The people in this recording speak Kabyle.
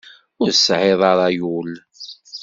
Ur tesɛiḍ ara ul.